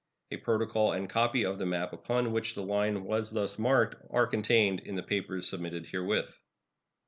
A protocol and a copy of the map upon which the line was thus marked are contained in the papers submitted herewith.